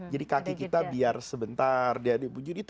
jadi kaki kita biar sebentar dia dipunyai